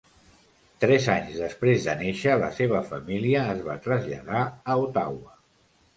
Tres anys després de néixer, la seva família es va traslladar a Ottawa.